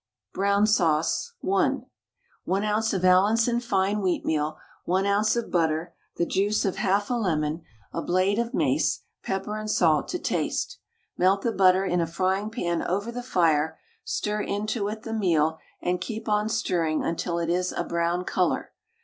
BROWN SAUCE (1). 1 oz. of Allinson fine wheatmeal, 1 oz. of butter, the juice of 1/2 a lemon, a blade of mace, pepper and salt to taste. Melt the butter in a frying pan over the fire, stir into it the meal, and keep on stirring until it is a brown colour.